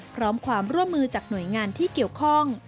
พร้อมความร่วมมือจากหน่วยงานที่เกี่ยวข้อง